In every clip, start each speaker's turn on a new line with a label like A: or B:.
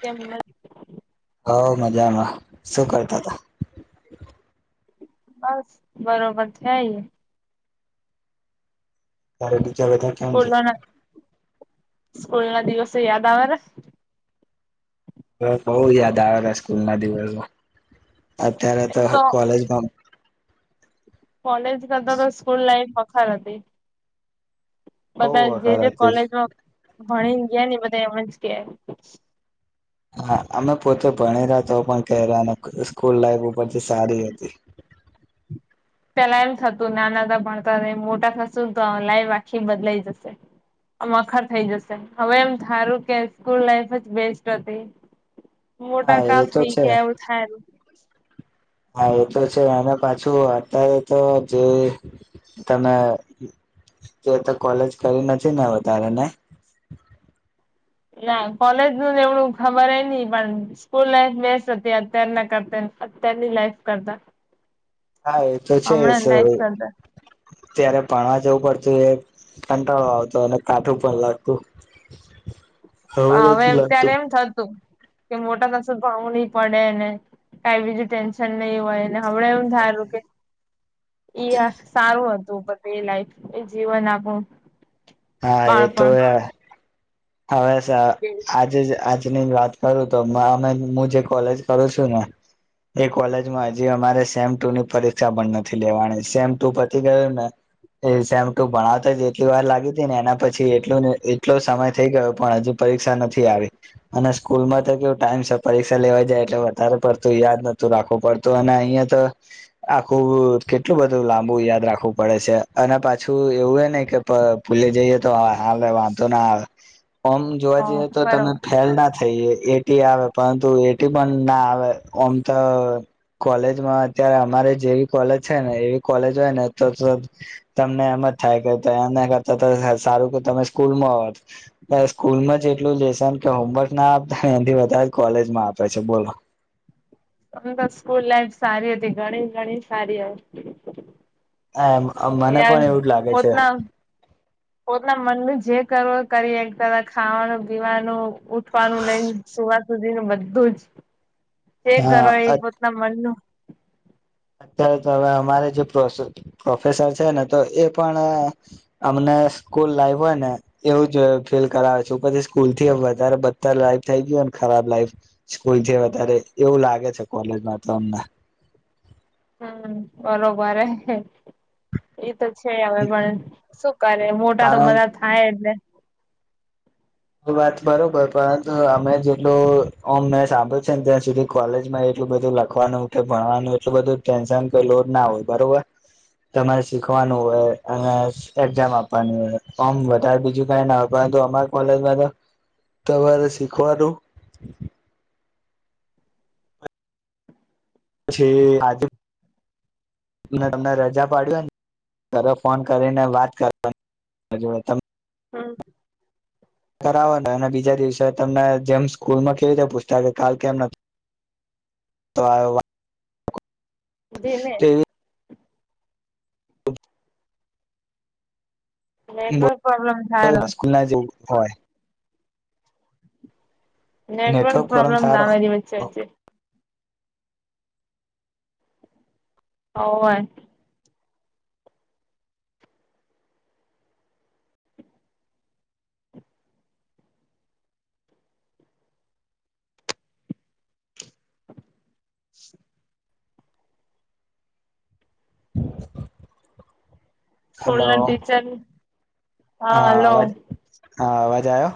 A: તેમ મ
B: બઉ મજામાં, શું કરતા હતા?
A: બસ બરોબર છે.
B: ત્યારે બીજા બધા કેમ છે?
A: સ્કૂલો ના સ્કૂલ ના દિવસે યાદ આવાના.
B: હ બહુ યાદ આવેલા સ્કૂલ ના દિવસો. અત્યારે તો કોલેજમાં
A: કોલેજ કરતા તો સ્કૂલ લાઈફ બખાર હતી.
B: બહુ
A: બધા જે જે
B: વખત હતી
A: કોલેજમાં ભણી ગયા ને બધા એમજ કે
B: હા અમે પોતે ભણી રહ્યા તો પણ કહે રહ્યા સ્કૂલ લાાઈફ ઉપરથી સારી હતી.
A: પેલા એમ થતું નાના નાના ભણતા ને મોટા થશુંન તો લાઈફ આખી બદલાઈ જશે. મખર થઈ જશે, હવે એમ થારું કે સ્કૂલ લાઈફ જ બેસ્ટ હતી. મોટા
B: હા
A: કા
B: એ તો
A: થઇ
B: છે
A: ગયા એવું થાય.
B: હા એ તો છે અને પાછું અત્યારે તો જે તમે તે તો કોલેજ કરી નથી ને વધારેને.
A: ના કોલેજ નું એવડું ખબર ની પણ સ્કૂલ લાઈફ બેસ્ટ હતી અત્યારના કરતા. અત્યારની લાઈફ કરતા.
B: હા એ તો છે.
A: હમણાં નઈ થતા પણ
B: ત્યારે ભણાવા જવું પડતું એ કંટાળો આવતો અને કાઠું પણ લાગતું.
A: હવે
B: નથી
A: ત્યારે
B: લાગતું
A: એમ થતું. કે મોટા સાસુને ભણવું નહી પડે ને કઈ બીજું ટેન્શન નહી હોયને હમણા એવું થાયલું કે. સારું હતું બધ એ લાઈફ એ જીવન આપણુ.
B: હા એ તો હ હવે આજે જ આજ ની વાત કરું તો અમે હું જે કોલેજ કરું છું ને એ કોલેજમાં હજી અમારે સેમ ટુ ની પરીક્ષા પણ નથી લેવાની, સેમ ટુ પછી ગું ને એ સેમ ટુ ભણાવતા જ એટલી વાર લાગી હતી ને એના પછી એટલુંને એટલો સમય થઈ ગયો પણ હજુ પરીક્ષા નથી આવી, અને સ્કૂલમાં તો કેવું ટાઈમ છે પરીક્ષા લેવા જાય એટલે વધારે પડતું યાદ નતું રાખવું પડતું અને અહિયા તો આખું કેટલું બધું લાંબુ યાદ રાખ ખવું પડે છે અને પાછું એવું હ ને કે પ પુલી જઈએ તો હ વાંધો ના આવે. ઓમ જોવા
A: હ
B: જઈએ તો
A: બરોબર
B: તમે ફેલ ના થઈએે. એટી આવે પરંતુ એટી પણ ના આવે ઓમ તો કોલેજમાં અત્યારે અમા જેવી કોલેજ છે ને એવી કોલેજ હોય ને તો તમને એમ જ થાય કે કરતા તો સારું કે તમે સ્કૂલ માં હોત. સ્કૂલમાં જ એટલું લેસન કે હોમવર્ક ના આપતા એનથી વધારે જ કોલેજમાં આપે છે બોલો?
A: મ તો સ્કૂલ લાઈફ સારી હતી ઘણી ઘણી સારી હ
B: મને
A: યાર
B: પણ એવું જ લાગે છે
A: ઉતના ઉતના મનમે જે કરવો કરી એક તરફ ખાવાનું, પીવાનું, ઉઠવાનું લઈને સુવા સુધી નું બધું કરો
B: હા
A: એ પોતના મનનું
B: અત્યારે હવે અમારે જે પ્રોસે પ્રોફેસર છે ને તો એ પણ અમને સ્કૂલ લાઈવ હોય ને એવું જ ફીલ કરાવે છે પછી સ્કૂલ થી વધારે બધા લાઈવ થઈ ગય હો ખરાબ લાઈફ સ્કૂલ છે વધારે એવું લાગે છે કોલેજમાં તો અમને
A: હ બરોબર હ એ તો છે હવે પણ કરે મોટા તો
B: કારણ
A: બધા થાય એટલે
B: એ વાત બરોબર પરંતુ અમે જેટલું અ મેં સાંભળ છે ને ત્યાં સુધી કોલેજ માં એટલું બધું લખવાનું કે ભણવાનું એટલું બધું ટેન્શન કે લોડ ના હોય બરોબર તમારે શીખવાનું હોય અને એક્ઝામ આપવાની હોય આમ વધારે બીજું કઈ ના હોય પરંતુ અમર ઓલ તમારે શીખવાનું પછી આજ તમને રજા પાડ્યું કરો ફોન કરીને વાત કરવાની જો ત
A: હમ
B: ને અને બીજા દિવસે તમને જેમ સ્કૂલમાં કેવીતે પૂછતા કે કાલ કેમ નથી તો આવ્યો
A: ધીમે
B: તેવી
A: નેટવર્ક પ્રોબ્લેમ થાય
B: સ્કૂલ ના જેવ હોય
A: નેટવર્ક પ્રોબ્લેમ ના મેરી વચ્ચે છે હો સ્કૂલ
B: હલો
A: ના ટીચર
B: હા અવાજ હા અવાજ આવો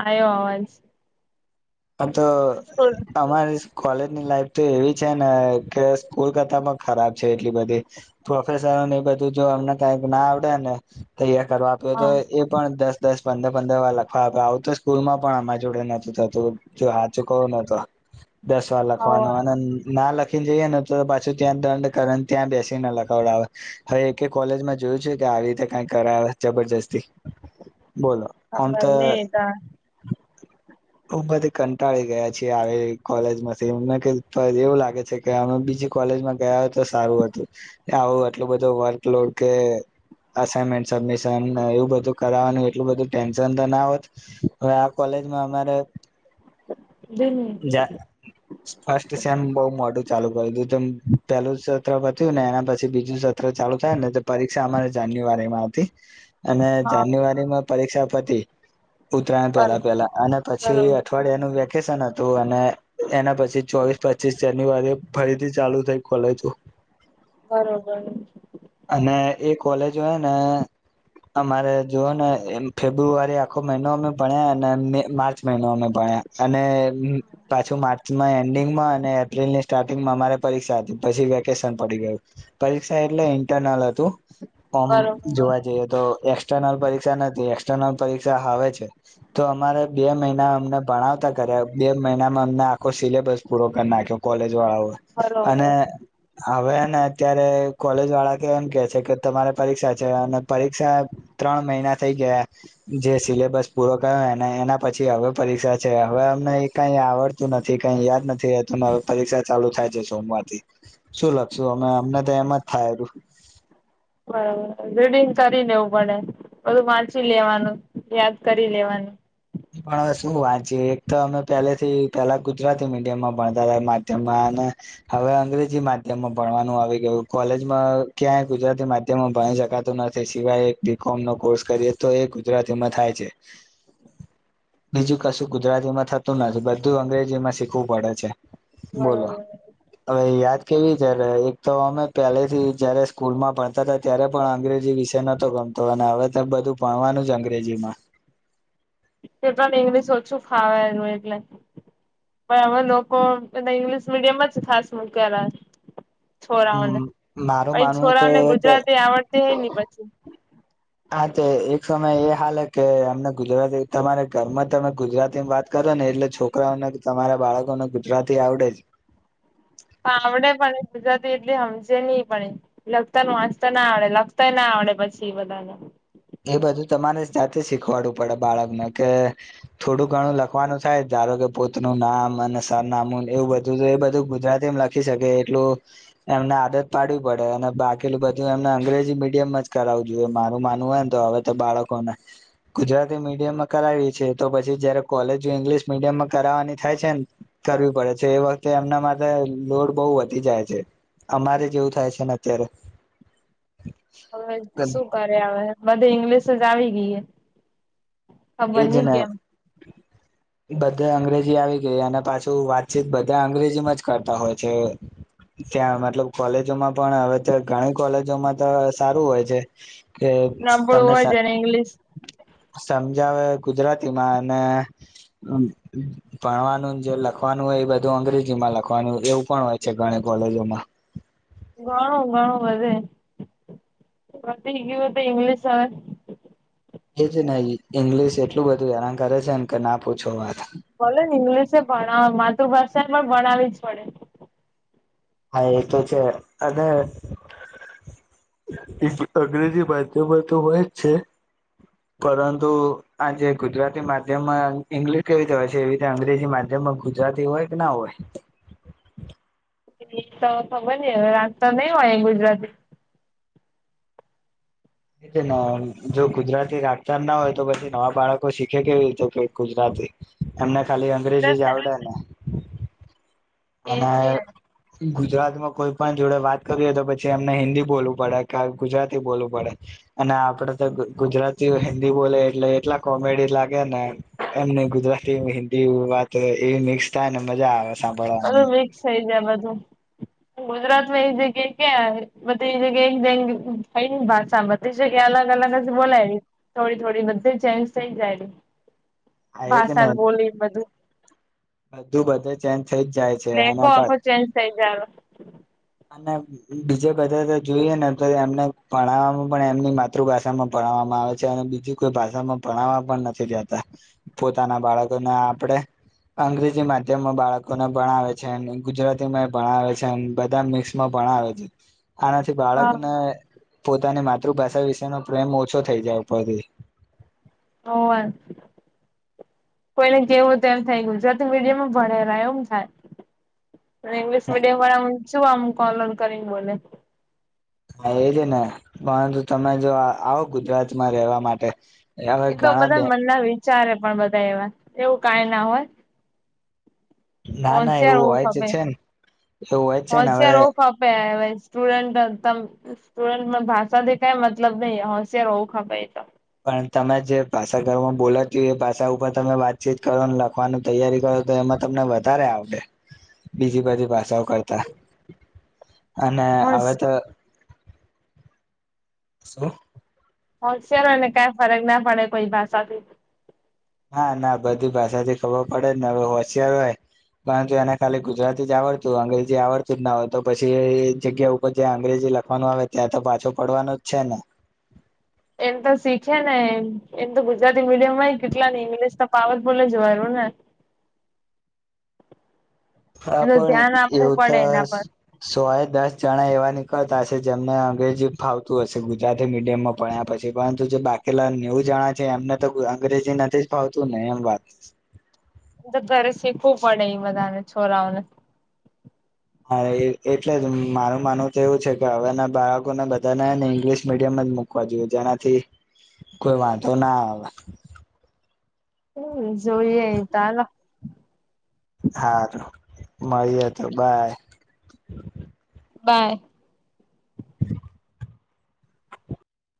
A: આવયો અવાજ
B: આ તો
A: સ્કૂલ
B: અમારે કોલેજ ની લાઈફ તો એવી છે ને કે સ્કૂલ કરતા પણ ખરાબ છે એટલી બધી પ્રોફેસર એ બધું જો અમને કઈક ના આવડે ને તૈયાર કરવા આપ્યો તો
A: હા
B: એ પણ દસ દસ પંદર પંદર વાર લખવા આપ આવ તો સ્કૂલ માં પણ આમા જોડે નોતું થતું જો હા ચુકવું નતો દસ વાર
A: હોવે
B: લખવાનું અને ના લખ ને જઈએ ને તો પાછું ત્યાં દંડ કર ત્યાં બેસીને લખાવડ આવે હવે એક કોલેજમાં જોયું છે આવી રતે કઈ કર જબરજસ્તી બોલોમ
A: ખબર
B: તો
A: નઈ તા
B: હબ કંટાળી ગયા છીએ આવી કોલેજ માંથીને એવું લાગે છે કે અમે બીજી કોલેજમાં ગયા તો સારું હતું આવું એટલું બધું વર્કલોડ કે અસનમેન્ટ સબમિશન એવું બધું કરાવવાનું એટલું બધું ટેન્શન તો ના હોત હવે આ કોલેજમાં અમારે
A: બી
B: જા ફસ્ટ સેમ બહુ મોડું ચાલુ કર્યું હતું તેમ પેલું જ સત્ર પત્યુંને એના પછી બીજું સત્ર ચાલુ થાય ને તો પરીક્ષા અમારે જાન્યુઆરીમાં હતી અને
A: હા
B: જાન્યુઆરી માં પરીક્ષા પતી ઉત્તરાયણ પેલા
A: બરોબર
B: પેલા અને પછી અ
A: બરોબર
B: યાનુ વેકેશન હતું અને એના પછી ચોવીસ પચીસ જાન્યુઆરી ફરીથી ચાલુ થઈ કોલેજ [unintelligible]
A: બરોબર
B: અને એ કોલેજો હે ને અમારે જોઓને ફેબ્રુઆરી આખો મહિનો અમે ભણ્યા અને મે માર્ચ મહિનો અમે ભણ્યા અને પાછું માર્ચમાં એન્ડિંગમાં અને એપ્રિલ ની સ્ટાર્ટિંગમાં અમારે પરીક્ષા હતી પછી વેકેશન પડી ગયું પરીક્ષા એટલે ઇન્ટરનલ હતું ઓમ
A: બરોબર
B: જોવા જઈએ તો એક્સર્નલ પરીક્ષા નથી એક્સ્ટેર્નલ પરીક્ષા હવે છે તો અમારે બે મહિના અમને ભણાવતા કર્યા બે મહિનામાં અમને આખો સિલેબસ પૂરો કરી નાખ્યો કોલેજ જ વાળાઓએ અને
A: બરોબર
B: હવે હેને અત્યારે કોલેજ વાળા કે એમ કે છે કે તમારે પરીક્ષા છે અને પરીક્ષા ત્રણ મહિના થઈ ગયા જે સિલેબસ પૂરો કરયોને એના પછી હવે પરીક્ષા છે હવે અમને કઈ આવડતું નથી કઈ યાદ નથી રહેતું અને હવે પરીક્ષા ચાલુ થાય છે સોમવારથી શું લખશું અમે અમને તો એમ જ થાયેરુ
A: બરોબર રીડિંગ કરી લેવું પડે બધું વાંચી લેવાનું યાદ કરી લેવાનું
B: પણ હવે શું વાંચી એક તો અમે પેલેથી પેલા ગુજરાતી મીડિયમમાં ભણતા હતા માધ્યમમાં ને હવે અંગ્રેજી માધ્યમમાં ભણવાનું આવી ગયું કોલેજમાં ક્યાંય ગુજરાતી માધ્યમમાં ભ દેખાતું નથી સિવાય એક બીકોમનો કોર્સ કરીએ તો એ ગુજરાતીમાં થાય છે બીજું કશું ગુજરાતીમાં થતું નથી બધું અંગ્રેજી માં શીખવું પડે છે બોલો
A: બરોબર
B: હવે યાદ કેવી ત્યારે એક તો અમે પહેલેથી જયારે સ્કૂલમાં ભણતા હતા ત્યારે પણ અંગ્રેજી વિષય નતો ગમે તો હવે તો બધું ભણવાનું જ અંગ્રેજીમાં
A: એ તને ઇંગ્લિશ ઓછું ફાવે એનું એટલે પણ અમે લોકો બધા ઈંગ્લિશ મીડિયમ જ ખાસ મૂકેલા છોરાઓને
B: હમ મારું
A: પઇ
B: માનવું તો
A: છોરાઓને
B: એ કે
A: ગુજરાતી આવડતી હે ની પછી
B: હા તે એક સમય એ હાલે કે અમને ગુજરાતી તમારે ઘરમાં તમે ગુજરાતીમાં વાત કરો ને એટલે છોકરાઓને તમારા બાળકોને ગુજરાતી આવડે જ
A: હા આવડે પણ ગુજરાતી એટલી હમજે નઈ પડે લખતા વાંચતા ના આવડે લખતાય ના આવડ આવડે પછી બધાને
B: એ બધું તમારે સાથે શીખવાડવુ પડે બાળકને કે થોડું ઘણું લખવાનું થાય ધારો કે પોતનું નામ અને સરનામુંને એવું બધું જો એ બધું ગુજરાતીમ લખી શકે એટલું એમને આદત પાડવી પડે અને બાકીલું બધું એમને અંગ્રેજી મીડિયમમાં જ કરાવું જોઈએ મારું માનવું એમ તો હવે તો બાળકોને ગુજરાતી મીડિયમમાં કરાવી છે તો પછી જયારે કોલેજ ઈંગ્લિશ મીડિયમમાં કરાવવાની થાય છે ને કરવી પડે છે એ વખતે એમના માથે લોડ બહુ વધી જાય છે અમારે જેવું થાય છે ને અત્યારે
A: હવે શું કરે હવે બધી ઇંગ્લિશ જ આવી ગઈ હે ખબર નઈ કેમ
B: બધે અંગ્રેજી આવી ગઈ અને પાછું વાતચીત બધા અંગ્રેજીમાં જ કરતા હોય છે ત્યાં મતલબ કોલેજોમાં પણ હવે તો ઘણી કોલેજોમાં તો સારું હોય છે કે
A: નબળું
B: તમને
A: હોય
B: સ
A: જેને ઇંગ્લિશ
B: જાવે ગુજરાતી માં અને અ ભણવાનું જે લખવાનું હોય એ બધું અંગ્રેજી માં લખવાનું હોય એવું પણ હોય છે ઘણે કોલેજોમાં
A: ઘણું ઘણું વધે [unintelligible] પતી ગ્યું તો ઇંગ્લિશ હવે
B: એ છે. ઈંગ્લિશ એટલું બધું હેરાન કરે છે. ને કે ના પૂછો વાત
A: બોલો ને ઇંગ્લિશ ભણાવ માતૃભાષા એ પણ ભણાવી જ પડે
B: હા એ તો છે. અને એ અંગ્રેજી ભાષા માં તો હોય જ છે. પરંતુ આજે ગુજરાતી માધ્યમમાં ઈંગ્લિશ કેવી રીતે હોય છે એવી રીતે અંગ્રેજી માધ્યમ ત ગુજરાતી હોય કે ના હોય
A: તો ખબર ન હવે રાખતા તો નહી હોય ગુજરાતી
B: એ જો ગુજરાતી રાખતા ના હોય તો પછી નવા બાળકો શીખે કેવી રીતે કે ગુજરાતી એમને ખાલી અંગ્રેજી
A: ગુજરાત
B: જ આવડે ને
A: એમ છે
B: ગુજરાત માં કોઈ પણ જોડે વાત કરી હોય તો પછી એમને હિન્દી બોલવું પડે ક ગુજરાતી બોલવું પડે અને આપડે તો ગુજરાતી હિન્દી બોલે એટલે એટલા કોમેડી લાગે ને એમ ન ગુજરાતી હિન્દી વાત એવી મિક્સ થાય ને મજા આવે
A: બધું
B: સાંભળવાની
A: મિક્સ થઇ જાય બધું ગુજરાત માં એ જગ્યા ક્યા એ જગ્યા થઈ ભાષા બ જ્યા અલગ અલગ જ બોલાયવી થોડી થોડી બધી ચેન્જ થઈ જાય એવી
B: આ એ જ ને
A: ભાષાણ બોલી મધું
B: બધું બધે ચેન્જ થઇ જ જાય છે, અને
A: લેખો આખો ચેન્જ થઈ જાય
B: અને બીજા બધા તો જોઈએ ને એમને ભણાવવામાં પણ એમની માતૃભાષામાં ભણવામાં આવે છે અને બીજ કોઈ ભાષામાં ભણાવવા પણ નથી, જતા પોતાના બાળકોને આપણેે અંગ્રેજી માધ્યમમાં બાળકોને ભણાવે છેને ગુજરાતી માં એ ભણાવે છે, બ મિક્સમાં ભણાવે છે, આનાથી
A: હા
B: બાળકને પોતાની માતૃભાષા વિશેનો પ્રેમ ઓછો થઈ જાય પડથી
A: હોવે કોઈને કેવું તો એમ થાય ગુજરાત મીડિયામાં ભણેલા એમ થાય ઇંગ્લિશ મીડિયમ વાળા હ છું આમ કોન કરીને બોલે
B: હા, એ છે ને પરંતુ તમે જો આવો ગુજરાતમાં રહેેવા માટે હવે
A: એ તો
B: ઘણા
A: બધા
B: બે
A: મન ના વિચારે પણ બધા એવા એવું કઈ ના હોય,
B: ના ના
A: પોન્સિર
B: એવું હોય જ
A: ખે
B: છે ને એવું હોય જ છે ને હવે
A: પોન્સિયર ખે સ્ટુડન્ટ ત સ્ટુડન્ટમાં ભાષા જે કઈ મતલબ ન હોશય રહવું ખે તો
B: પણ તમે જે ભાષા ઘરમાં બોલાતી હોય એ ભષા ઉપર તમે વાતચીત કરો, લખવાની તૈયારી કરો તો એમાં તમને વધારે આવડે બીજી બાજુ ભાષાઓ કરતા અને
A: હોશ
B: હવે તો [unintelligible]
A: હોશિયાર હોને કઈ ફરક ના પડે કોઈ ભાષાથી
B: નાા ના બધી ભાષા થી ખબર પડે ને હવે હોશિયાર હોય પરંતુ એને ખાલી ગુજરાતી જ આવડતું અંગ્રેજી આવડતું જ ના હોય તો પછી એ જગ્યા ઉપર જ અંગ્રેજી લખવાનું આવે ત્યાં તો પાછું પડવાનું જ છે, ને
A: એમ તો શીખે ને એમ તો ગુજરાતી મીડિયમ માં કેટલા નઈ ઇંગ્લિશ તો પાવત બોલે જવાયનું ને હા
B: [unintelligible] હા,
A: એ તો
B: પણ
A: ધ્યાન આપવું
B: એવું તો
A: પડે એના પર
B: સોય દસ ચણા એવા નીકળતા હશે, જેમને અંગ્રેજી ફાવતું હશે ગુજરાતી મીડિયમમાં ભણ્યા પછી પરંતુ જે બાકી લા નેવું જણા છે એમને તો અંગ્રેજી નથી જ ભાવતું ને એમ વાત
A: ત્યારે શીખવું પડે એ બધાને છોરાઓને
B: હા, એટલે જ મારું માનવું તો એવું છે, કે હવે ના બાળકોને બધાને ને ઇંગ્લિશ મીડિયમ મકવા જો જેનાથી કોઈ વાંધો ના આવે,
A: જોઈએ તારા
B: હારું મળીએ તો બાય
A: બાય.